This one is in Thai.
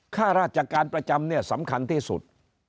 ข้าราชการประจำเนี่ยสำคัญที่สุด